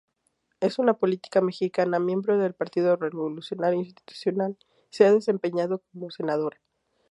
Es una política mexicana, miembro del Partido Revolucionario Institucional, se ha desempeñado como Senadora.